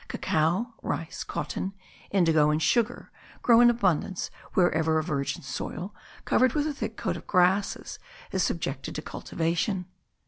Cacao, rice, cotton, indigo, and sugar grow in abundance wherever a virgin soil, covered with a thick coat of grasses, is subjected to cultivation.